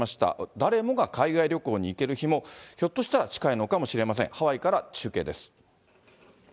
誰もが海外旅行に行ける日も、ひょっとしたら近いのかもしれません。